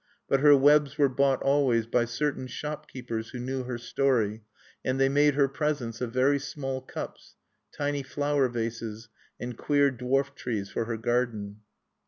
But her webs were bought always by certain shopkeepers who knew her story; and they made her presents of very small cups, tiny flower vases, and queer dwarf trees for her garden.